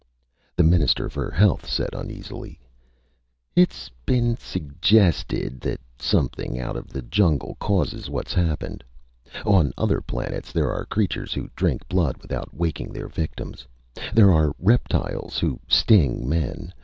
The Minister for Health said uneasily: "It's been suggested that something out of the jungle causes what's happened. On other planets there are creatures who drink blood without waking their victims. There are reptiles who sting men.